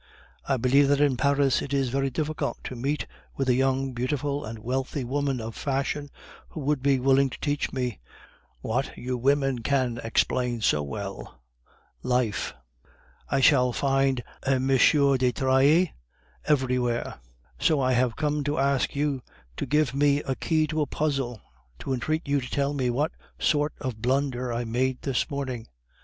I believe that in Paris it is very difficult to meet with a young, beautiful, and wealthy woman of fashion who would be willing to teach me, what you women can explain so well life. I shall find a M. de Trailles everywhere. So I have come to you to ask you to give me a key to a puzzle, to entreat you to tell me what sort of blunder I made this morning.